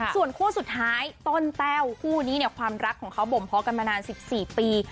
ส่วนคู่สุดท้ายต้นแต้วคู่นี้เนี่ยความรักของเขาบ่มเพาะกันมานาน๑๔ปี